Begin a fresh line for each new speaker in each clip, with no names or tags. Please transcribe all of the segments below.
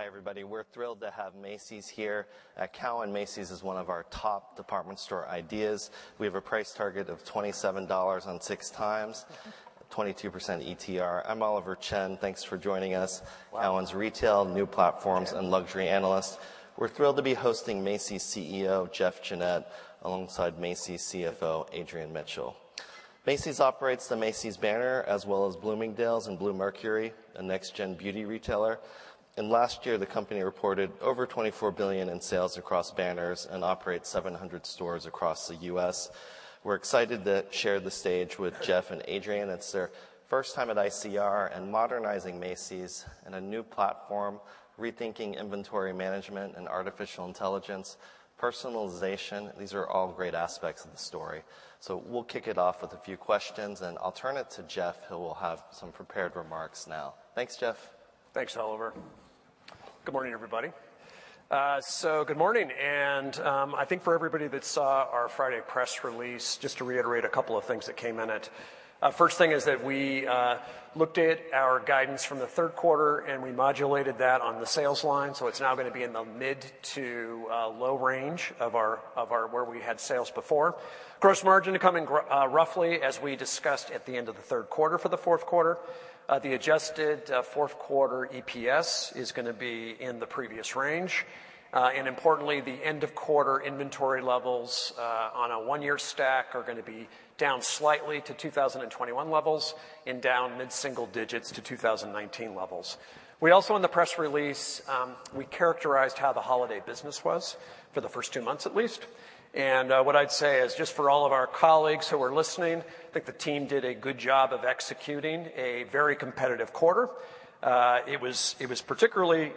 Hi, everybody. We're thrilled to have Macy's here. At Cowen, Macy's is one of our top department store ideas. We have a price target of $27 on 6x, 22% ETR. I'm Oliver Chen. Thanks for joining us. Cowen's retail, new platforms, and luxury analyst. We're thrilled to be hosting Macy's CEO, Jeff Gennette, alongside Macy's CFO, Adrian Mitchell. Macy's operates the Macy's banner, as well as Bloomingdale's and Bluemercury, a next-gen beauty retailer. Last year, the company reported over $24 billion in sales across banners and operates 700 stores across the U.S. We're excited to share the stage with Jeff and Adrian. It's their first time at ICR, and modernizing Macy's in a new platform, rethinking inventory management and artificial intelligence, personalization. These are all great aspects of the story. We'll kick it off with a few questions, and I'll turn it to Jeff, who will have some prepared remarks now. Thanks, Jeff.
Thanks, Oliver. Good morning, everybody. Good morning. I think for everybody that saw our Friday press release, just to reiterate a couple of things that came in it. First thing is that we looked at our guidance from the third quarter. We modulated that on the sales line. It's now gonna be in the mid-to-low range of our where we had sales before. Gross margin to come in roughly as we discussed at the end of the third quarter for the fourth quarter. The adjusted fourth quarter EPS is gonna be in the previous range. Importantly, the end-of-quarter inventory levels on a one-year stack are gonna be down slightly to 2021 levels and down mid-single-digits to 2019 levels. We also in the press release, we characterized how the holiday business was for the first two months at least. What I'd say is, just for all of our colleagues who are listening, I think the team did a good job of executing a very competitive quarter. It was particularly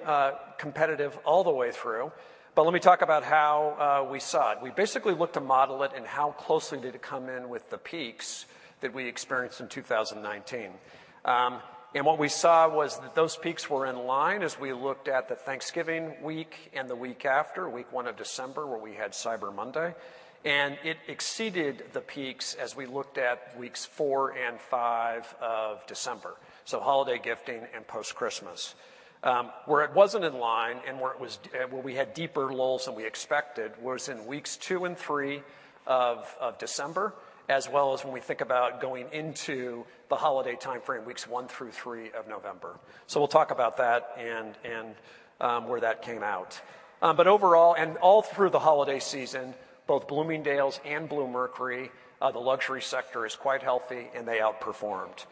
competitive all the way through. Let me talk about how we saw it. We basically looked to model it and how closely did it come in with the peaks that we experienced in 2019. What we saw was that those peaks were in line as we looked at the Thanksgiving week and the week after, week one of December, where we had Cyber Monday. It exceeded the peaks as we looked at weeks four and five of December. Holiday gifting and post-Christmas. Where it wasn't in line and where we had deeper lulls than we expected was in weeks two and three of December, as well as when we think about going into the holiday timeframe, weeks one through three of November. We'll talk about that and where that came out. Overall, and all through the holiday season, both Bloomingdale's and Bluemercury, the luxury sector is quite healthy, and they outperformed.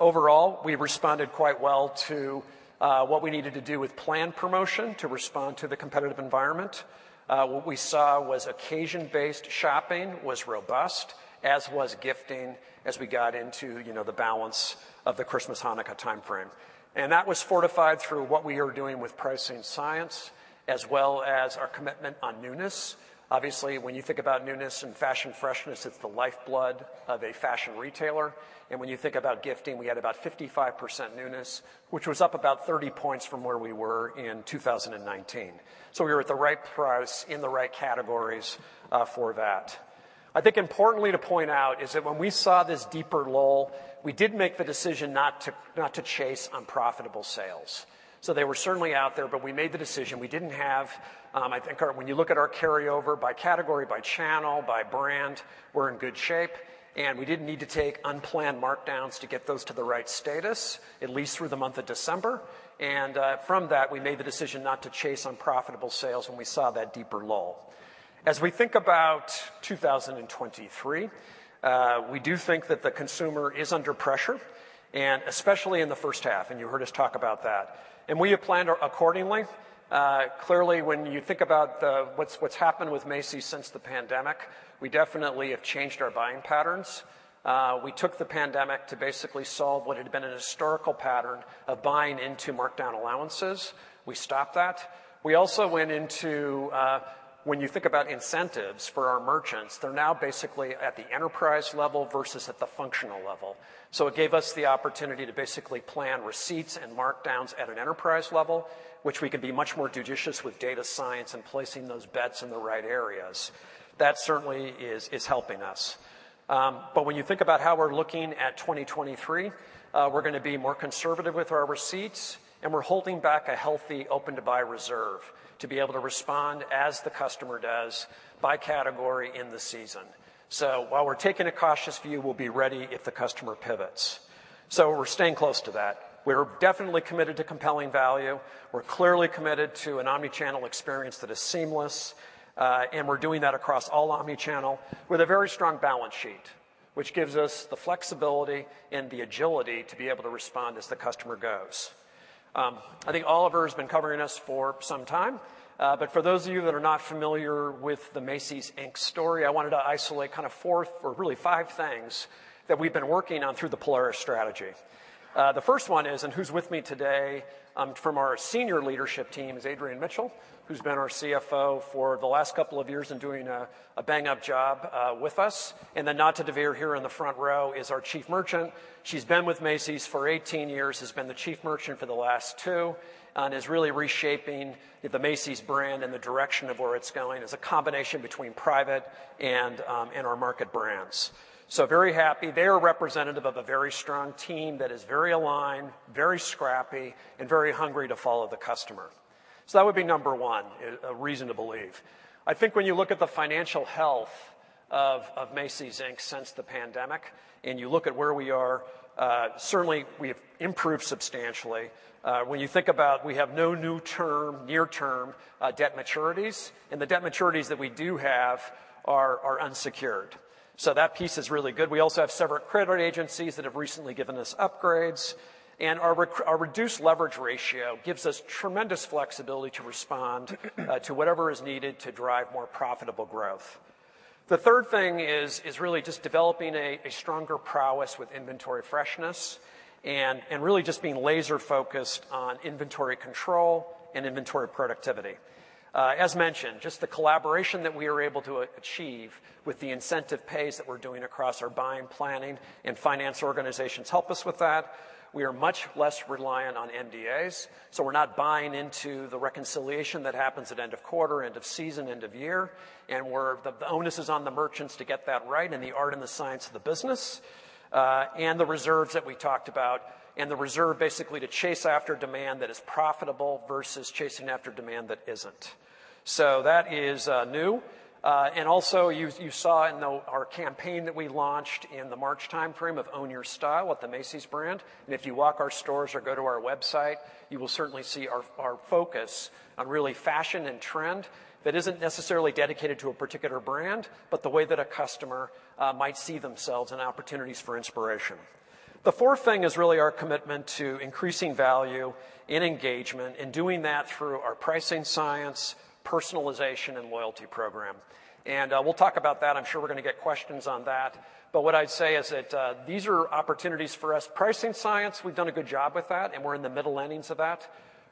Overall, we responded quite well to what we needed to do with planned promotion to respond to the competitive environment. What we saw was occasion-based shopping was robust, as was gifting as we got into, you know, the balance of the Christmas, Hanukkah timeframe. That was fortified through what we are doing with pricing science, as well as our commitment on newness. Obviously, when you think about newness and fashion freshness, it's the lifeblood of a fashion retailer. When you think about gifting, we had about 55% newness, which was up about 30 points from where we were in 2019. We were at the right price in the right categories for that. I think importantly to point out is that when we saw this deeper lull, we did make the decision not to chase unprofitable sales. They were certainly out there, but we made the decision. We didn't have. When you look at our carryover by category, by channel, by brand, we're in good shape, and we didn't need to take unplanned markdowns to get those to the right status, at least through the month of December. From that, we made the decision not to chase unprofitable sales when we saw that deeper lull. As we think about 2023, we do think that the consumer is under pressure, and especially in the first half, and you heard us talk about that. We have planned accordingly. Clearly, when you think about what's happened with Macy's since the pandemic, we definitely have changed our buying patterns. We took the pandemic to basically solve what had been a historical pattern of buying into markdown allowances. We stopped that. We also went into, when you think about incentives for our merchants, they're now basically at the enterprise level versus at the functional level. It gave us the opportunity to basically plan receipts and markdowns at an enterprise level, which we can be much more judicious with data science and placing those bets in the right areas. That certainly is helping us. When you think about how we're looking at 2023, we're gonna be more conservative with our receipts, and we're holding back a healthy open-to-buy reserve to be able to respond as the customer does by category in the season. While we're taking a cautious view, we'll be ready if the customer pivots. We're staying close to that. We're definitely committed to compelling value. We're clearly committed to an omni-channel experience that is seamless. We're doing that across all omni-channel with a very strong balance sheet, which gives us the flexibility and the agility to be able to respond as the customer goes. I think Oliver has been covering us for some time. For those of you that are not familiar with the Macy's, Inc. story, I wanted to isolate kind of really five things that we've been working on through the Polaris strategy. The first one is, and who's with me today, from our senior leadership team is Adrian Mitchell, who's been our CFO for the last couple of years and doing a bang-up job with us. Nata Dvir here in the front row is our chief merchant. She's been with Macy's for 18 years, has been the chief merchant for the last two, and is really reshaping the Macy's brand and the direction of where it's going as a combination between private and our market brands. Very happy. They are representative of a very strong team that is very aligned, very scrappy, and very hungry to follow the customer. That would be number one, a reason to believe. I think when you look at the financial health of Macy's, Inc. since the pandemic, and you look at where we are, certainly we have improved substantially. When you think about we have no new term, near-term, debt maturities, and the debt maturities that we do have are unsecured. That piece is really good. We also have several credit agencies that have recently given us upgrades, and our reduced leverage ratio gives us tremendous flexibility to respond to whatever is needed to drive more profitable growth. The third thing is really just developing a stronger prowess with inventory freshness and really just being laser-focused on inventory control and inventory productivity. As mentioned, just the collaboration that we are able to achieve with the incentive pays that we're doing across our buying, planning, and finance organizations help us with that. We are much less reliant on NDAs. We're not buying into the reconciliation that happens at end of quarter, end of season, end of year. The onus is on the merchants to get that right and the art and the science of the business, and the reserves that we talked about, and the reserve basically to chase after demand that is profitable versus chasing after demand that isn't. That is new. Also you saw in the, our campaign that we launched in the March timeframe of Own Your Style with the Macy's brand. If you walk our stores or go to our website, you will certainly see our focus on really fashion and trend that isn't necessarily dedicated to a particular brand, but the way that a customer might see themselves and opportunities for inspiration. The fourth thing is really our commitment to increasing value in engagement and doing that through our pricing science, personalization, and loyalty program. We'll talk about that. I'm sure we're gonna get questions on that. What I'd say is that these are opportunities for us. Pricing science, we've done a good job with that, and we're in the middle innings of that.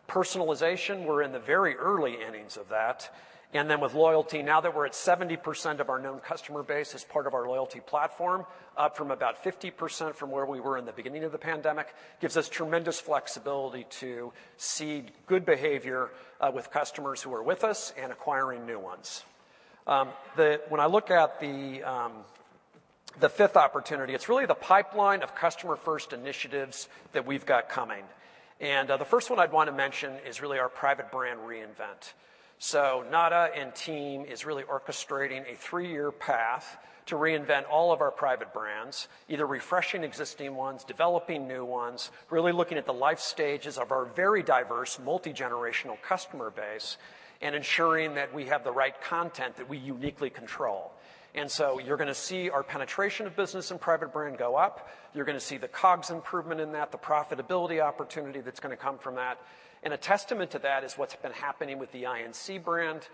Personalization, we're in the very early innings of that. With loyalty, now that we're at 70% of our known customer base as part of our loyalty platform, up from about 50% from where we were in the beginning of the pandemic, gives us tremendous flexibility to see good behavior with customers who are with us and acquiring new ones. When I look at the fifth opportunity, it's really the pipeline of customer-first initiatives that we've got coming. The first one I'd wanna mention is really our private brand reinvent. Nata and team is really orchestrating a three-year path to reinvent all of our private brands, either refreshing existing ones, developing new ones, really looking at the life stages of our very diverse multigenerational customer base and ensuring that we have the right content that we uniquely control. You're going to see our penetration of business and private brand go up. You're going to see the COGS improvement in that, the profitability opportunity that's going to come from that. A testament to that is what's been happening with the INC brand,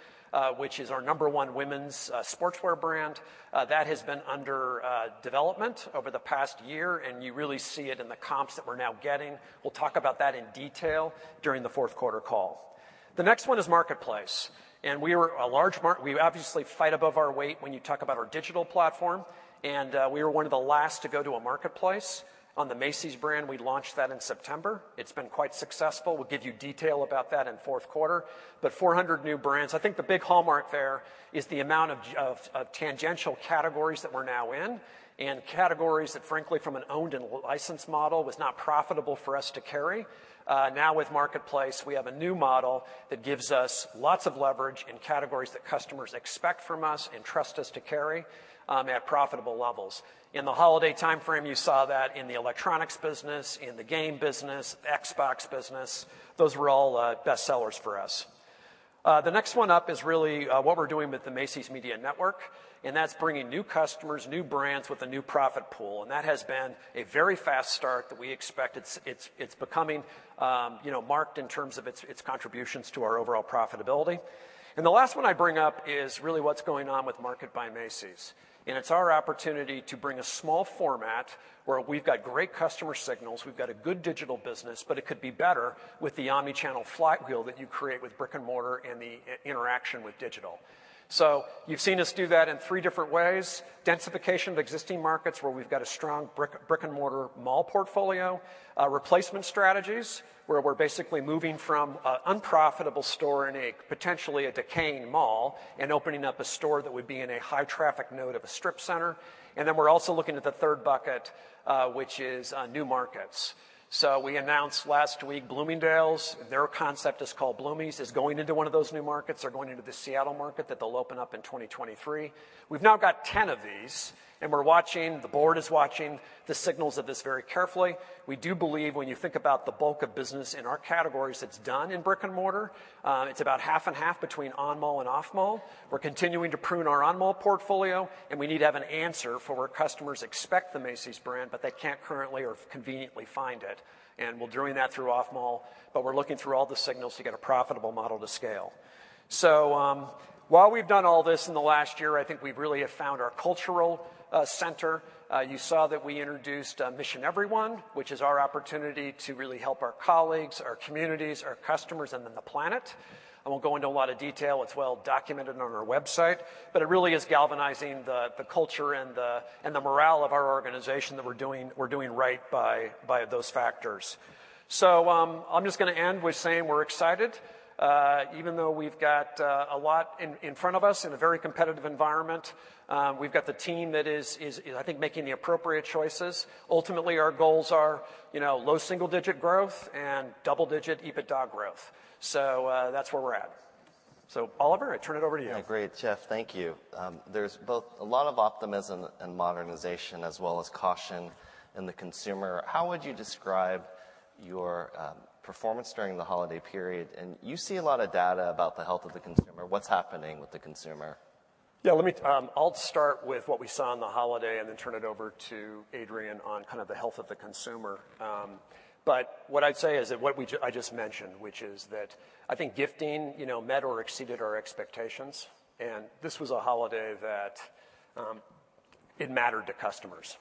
which is our number one women's sportswear brand. That has been under development over the past year, and you really see it in the comps that we're now getting. We'll talk about that in detail during the fourth quarter call. The next one is Marketplace, and we obviously fight above our weight when you talk about our digital platform, and we were one of the last to go to a marketplace. On the Macy's brand, we launched that in September. It's been quite successful. We'll give you detail about that in fourth quarter. 400 new brands. I think the big hallmark there is the amount of tangential categories that we're now in, and categories that frankly from an owned and licensed model was not profitable for us to carry. Now with Marketplace, we have a new model that gives us lots of leverage in categories that customers expect from us and trust us to carry, at profitable levels. In the holiday timeframe, you saw that in the electronics business, in the game business, Xbox business, those were all best sellers for us. The next one up is what we're doing with the Macy's Media Network, and that's bringing new customers, new brands with a new profit pool. That has been a very fast start that we expect. It's becoming, you know, marked in terms of its contributions to our overall profitability. The last one I bring up is really what's going on with Market by Macy's, and it's our opportunity to bring a small format where we've got great customer signals, we've got a good digital business, but it could be better with the omnichannel flywheel that you create with brick-and-mortar and the interaction with digital. You've seen us do that in three different ways. Densification of existing markets where we've got a strong brick-and-mortar mall portfolio. Replacement strategies, where we're basically moving from a unprofitable store in a potentially a decaying mall and opening up a store that would be in a high traffic node of a strip center. We're also looking at the third bucket, which is new markets. We announced last week Bloomingdale's, their concept is called Bloomie's, is going into one of those new markets. They're going into the Seattle market that they'll open up in 2023. We've now got 10 of these, and we're watching, the board is watching the signals of this very carefully. We do believe when you think about the bulk of business in our categories that's done in brick-and-mortar, it's about half and half between on-mall and off-mall. We're continuing to prune our on-mall portfolio, and we need to have an answer for where customers expect the Macy's brand, but they can't currently or conveniently find it. We're doing that through off-mall, but we're looking through all the signals to get a profitable model to scale. While we've done all this in the last year, I think we really have found our cultural center. You saw that we introduced Mission Every One, which is our opportunity to really help our colleagues, our communities, our customers, and then the planet. I won't go into a lot of detail. It's well documented on our website, but it really is galvanizing the culture and the morale of our organization that we're doing right by those factors. I'm just gonna end with saying we're excited, even though we've got a lot in front of us in a very competitive environment. We've got the team that is I think making the appropriate choices. Ultimately, our goals are, you know, low single-digit growth and double-digit EBITDA growth. That's where we're at. Oliver, I turn it over to you.
Great, Jeff, thank you. There's both a lot of optimism and modernization as well as caution in the consumer. How would you describe your performance during the holiday period? You see a lot of data about the health of the consumer. What's happening with the consumer?
Yeah, I'll start with what we saw on the holiday and then turn it over to Adrian on kind of the health of the consumer. But what I'd say is that what we I just mentioned, which is that I think gifting, you know, met or exceeded our expectations, and this was a holiday that it mattered to customers.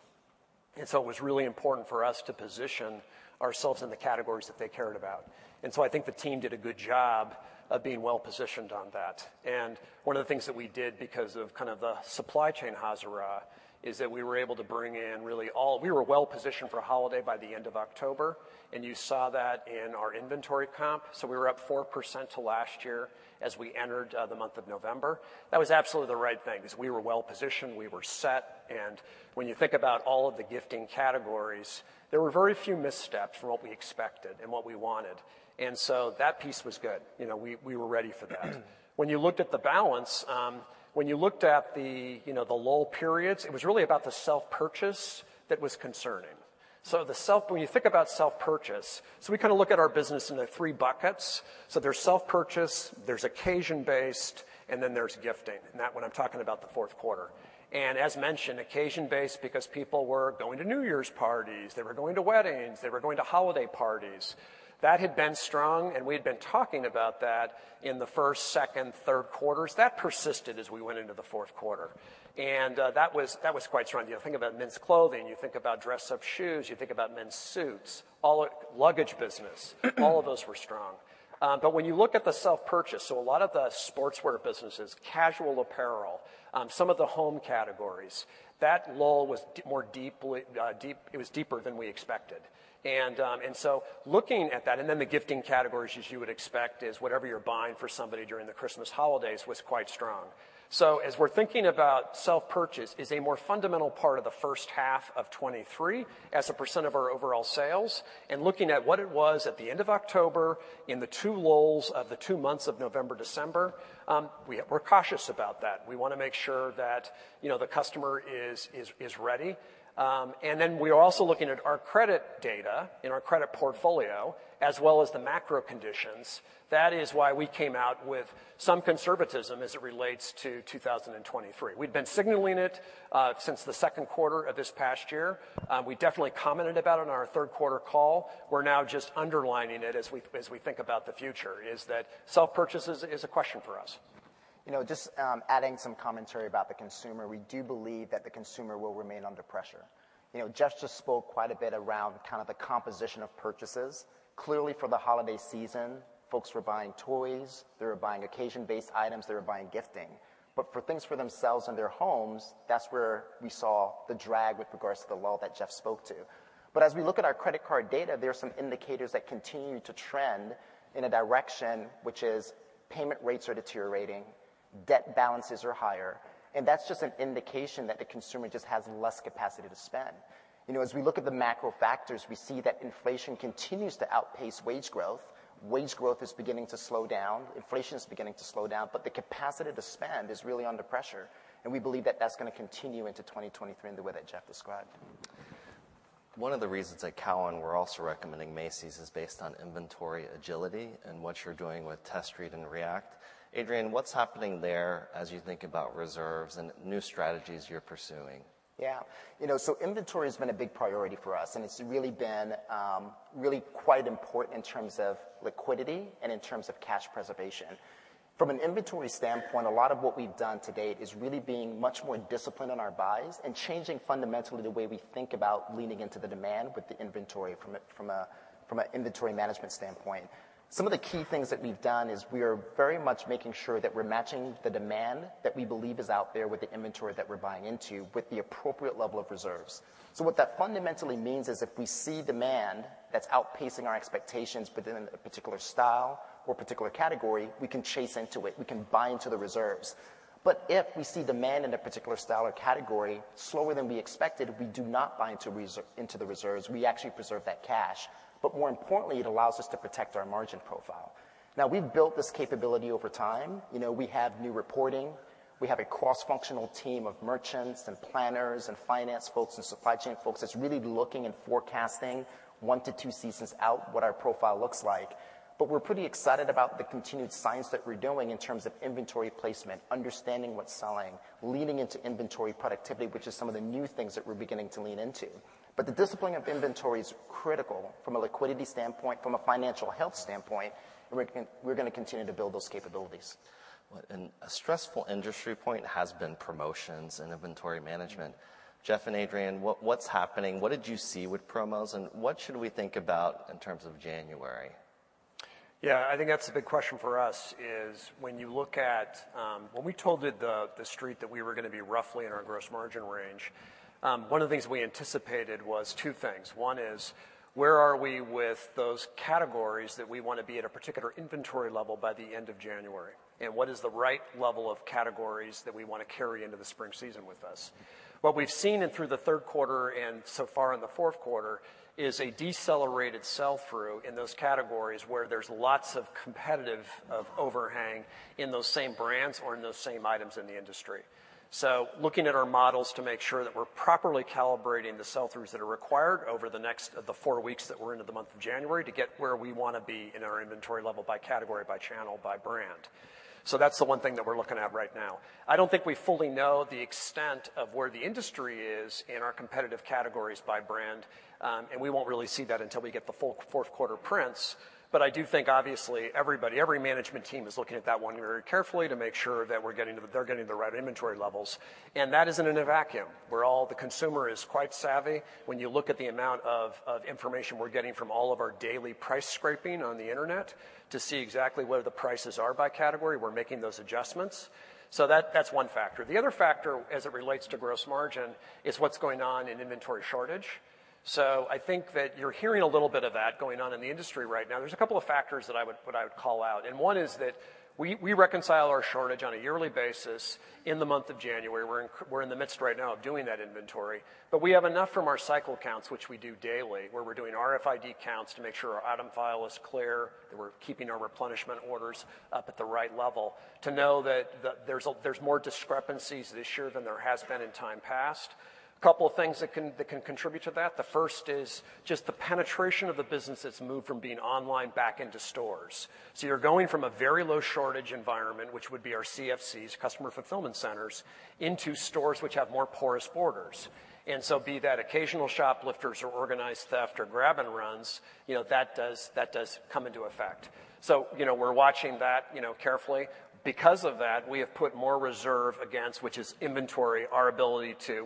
It was really important for us to position ourselves in the categories that they cared about. I think the team did a good job of being well-positioned on that. One of the things that we did because of kind of the supply chain hazards is that we were able to bring in We were well-positioned for holiday by the end of October, and you saw that in our inventory comp. We were up 4% to last year as we entered the month of November. That was absolutely the right thing 'cause we were well-positioned, we were set, and when you think about all of the gifting categories, there were very few missteps from what we expected and what we wanted. That piece was good. You know, we were ready for that. When you looked at the balance, when you looked at the, you know, the lull periods, it was really about the self-purchase that was concerning. When you think about self-purchase, we kind of look at our business in the three buckets. There's self-purchase, there's occasion-based, and then there's gifting, and that one I'm talking about the fourth quarter. As mentioned, occasion-based because people were going to New Year's parties, they were going to weddings, they were going to holiday parties. That had been strong, and we'd been talking about that in the first, second, third quarters. That persisted as we went into the fourth quarter. That was quite strong. You know, think about men's clothing, you think about dress-up shoes, you think about men's suits, luggage business, all of those were strong. When you look at the self-purchase, so a lot of the sportswear businesses, casual apparel, some of the home categories, that lull was deeper than we expected. Looking at that, then the gifting categories, as you would expect, is whatever you're buying for somebody during the Christmas holidays was quite strong. As we're thinking about self-purchase is a more fundamental part of the first half of 23 as a % of our overall sales, and looking at what it was at the end of October in the two lulls of the two months of November, December, we're cautious about that. We wanna make sure that, you know, the customer is ready. We're also looking at our credit data in our credit portfolio as well as the macro conditions. That is why we came out with some conservatism as it relates to 2023. We've been signaling it since the second quarter of this past year. We definitely commented about it on our third quarter call. We're now just underlining it as we think about the future, is that self-purchase is a question for us.
You know, just adding some commentary about the consumer. We do believe that the consumer will remain under pressure. You know, Jeff just spoke quite a bit around kind of the composition of purchases. Clearly, for the holiday season, folks were buying toys, they were buying occasion-based items, they were buying gifting. For things for themselves and their homes, that's where we saw the drag with regards to the lull that Jeff spoke to. As we look at our credit card data, there are some indicators that continue to trend in a direction which is payment rates are deteriorating, debt balances are higher, and that's just an indication that the consumer just has less capacity to spend. You know, as we look at the macro factors, we see that inflation continues to outpace wage growth. Wage growth is beginning to slow down, inflation is beginning to slow down, but the capacity to spend is really under pressure, and we believe that that's gonna continue into 2023 in the way that Jeff described.
One of the reasons at Cowen we're also recommending Macy's is based on inventory agility and what you're doing with test read and react. Adrian, what's happening there as you think about reserves and new strategies you're pursuing?
Yeah. You know, inventory's been a big priority for us, and it's really been really quite important in terms of liquidity and in terms of cash preservation. From an inventory standpoint, a lot of what we've done to date is really being much more disciplined in our buys and changing fundamentally the way we think about leaning into the demand with the inventory from a inventory management standpoint. Some of the key things that we've done is we are very much making sure that we're matching the demand that we believe is out there with the inventory that we're buying into with the appropriate level of reserves. What that fundamentally means is if we see demand that's outpacing our expectations within a particular style or particular category, we can chase into it. We can buy into the reserves. If we see demand in a particular style or category slower than we expected, we do not buy into the reserves. We actually preserve that cash. More importantly, it allows us to protect our margin profile. We've built this capability over time. You know, we have new reporting. We have a cross-functional team of merchants and planners and finance folks and supply chain folks that's really looking and forecasting one to two seasons out what our profile looks like. We're pretty excited about the continued science that we're doing in terms of inventory placement, understanding what's selling, leaning into inventory productivity, which is some of the new things that we're beginning to lean into. The discipline of inventory is critical from a liquidity standpoint, from a financial health standpoint, and we're gonna continue to build those capabilities.
Well, a stressful industry point has been promotions and inventory management. Jeff and Adrian, what's happening? What did you see with promos, what should we think about in terms of January?
Yeah, I think that's a big question for us, is when you look at, when we told the street that we were gonna be roughly in our gross margin range, one of the things we anticipated was two things. One is, where are we with those categories that we wanna be at a particular inventory level by the end of January. What is the right level of categories that we wanna carry into the spring season with us? What we've seen in through the third quarter and so far in the fourth quarter is a decelerated sell-through in those categories where there's lots of competitive of overhang in those same brands or in those same items in the industry. Looking at our models to make sure that we're properly calibrating the sell-throughs that are required over the next the four weeks that we're into the month of January to get where we wanna be in our inventory level by category, by channel, by brand. That's the one thing that we're looking at right now. I don't think we fully know the extent of where the industry is in our competitive categories by brand. And we won't really see that until we get the full fourth quarter prints. I do think obviously everybody, every management team is looking at that one very carefully to make sure that they're getting the right inventory levels. And that is in a vacuum where all the consumer is quite savvy. When you look at the amount of information we're getting from all of our daily price scraping on the Internet to see exactly where the prices are by category, we're making those adjustments. That's one factor. The other factor as it relates to gross margin is what's going on in inventory shortage. I think that you're hearing a little bit of that going on in the industry right now. There's a couple of factors that I would call out, and one is that we reconcile our shortage on a yearly basis in the month of January. We're in the midst right now of doing that inventory. We have enough from our cycle counts, which we do daily, where we're doing RFID counts to make sure our item file is clear, that we're keeping our replenishment orders up at the right level to know that there's more discrepancies this year than there has been in time past. Couple of things that can contribute to that. The first is just the penetration of the business that's moved from being online back into stores. You're going from a very low shortage environment, which would be our CFCs, customer fulfillment centers, into stores which have more porous borders. Be that occasional shoplifters or organized theft or grab-and-runs, you know, that does come into effect. You know, we're watching that, you know, carefully. Because of that, we have put more reserve against, which is inventory, our ability to...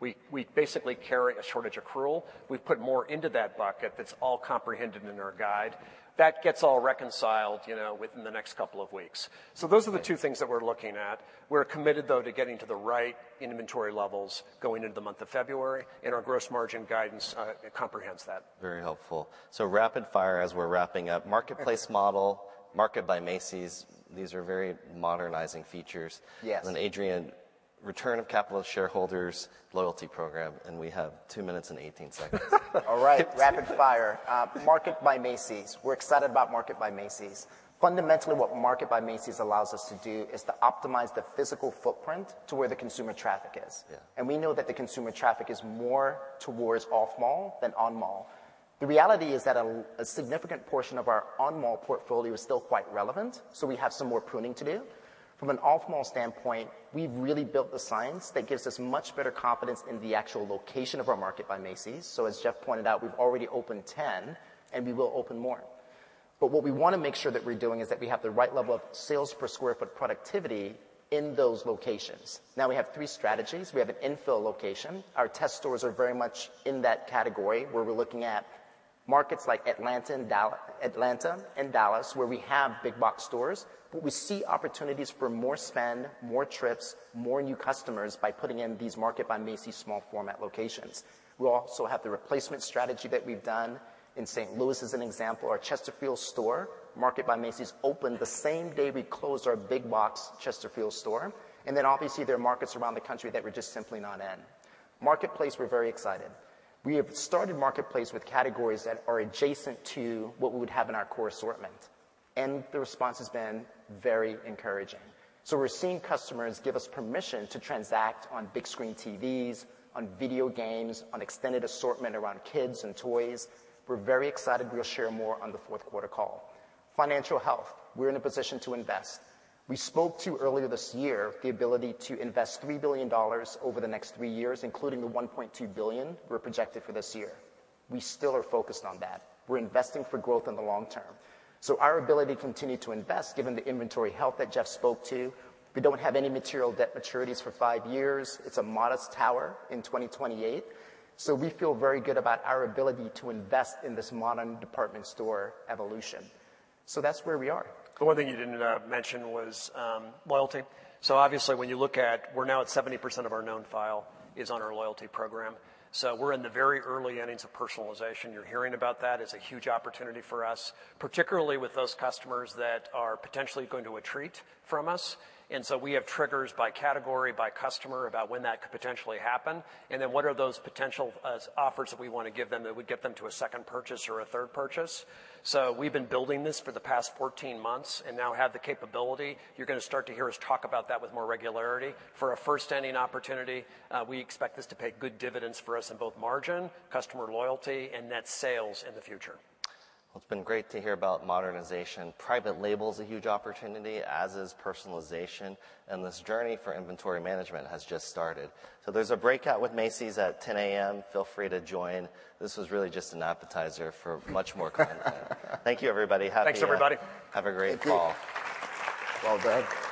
We basically carry a shortage accrual. We've put more into that bucket that's all comprehended in our guide. That gets all reconciled, you know, within the next couple of weeks. Those are the two things that we're looking at. We're committed, though, to getting to the right inventory levels going into the month of February. Our gross margin guidance, it comprehends that.
Very helpful. Rapid fire as we're wrapping up. Marketplace model, Market by Macy's, these are very modernizing features.
Yes.
Adrian, return of capital to shareholders, loyalty program, and we have 2 minutes and 18 seconds.
All right. Rapid fire. Market by Macy's. We're excited about Market by Macy's. Fundamentally, what Market by Macy's allows us to do is to optimize the physical footprint to where the consumer traffic is.
Yeah.
We know that the consumer traffic is more towards off-mall than on-mall. The reality is that a significant portion of our on-mall portfolio is still quite relevant, we have some more pruning to do. From an off-mall standpoint, we've really built the science that gives us much better confidence in the actual location of our Market by Macy's. As Jeff pointed out, we've already opened 10, and we will open more. What we wanna make sure that we're doing is that we have the right level of sales per square foot productivity in those locations. We have three strategies. We have an infill location. Our test stores are very much in that category, where we're looking at markets like Atlanta and Dallas, where we have big box stores, but we see opportunities for more spend, more trips, more new customers by putting in these Market by Macy's small format locations. We also have the replacement strategy that we've done in St. Louis as an example. Our Chesterfield store, Market by Macy's, opened the same day we closed our big box Chesterfield store. Obviously, there are markets around the country that we're just simply not in. Marketplace, we're very excited. We have started Marketplace with categories that are adjacent to what we would have in our core assortment, and the response has been very encouraging. We're seeing customers give us permission to transact on big screen TVs, on video games, on extended assortment around kids and toys. We're very excited. We'll share more on the fourth quarter call. Financial health, we're in a position to invest. We spoke to earlier this year the ability to invest $3 billion over the next three years, including the $1.2 billion we're projected for this year. We still are focused on that. We're investing for growth in the long term. Our ability to continue to invest, given the inventory health that Jeff spoke to, we don't have any material debt maturities for five years. It's a modest tower in 2028. We feel very good about our ability to invest in this modern department store evolution. That's where we are.
The one thing you didn't mention was loyalty. Obviously, when we're now at 70% of our known file is on our loyalty program. We're in the very early innings of personalization. You're hearing about that. It's a huge opportunity for us, particularly with those customers that are potentially going to attrit from us. We have triggers by category, by customer about when that could potentially happen, and then what are those potential offers that we wanna give them that would get them to a second purchase or a third purchase. We've been building this for the past 14 months and now have the capability. You're gonna start to hear us talk about that with more regularity. For a first inning opportunity, we expect this to pay good dividends for us in both margin, customer loyalty, and net sales in the future.
It's been great to hear about modernization. Private label is a huge opportunity, as is personalization, and this journey for inventory management has just started. There's a breakout with Macy's at 10:00 A.M. Feel free to join. This was really just an appetizer for much more content. Thank you, everybody. Happy-
Thanks, everybody.
Have a great call.
Thank you. Well done.